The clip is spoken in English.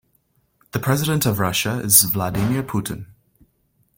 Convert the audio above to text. The president of Russia is Vladimir Putin.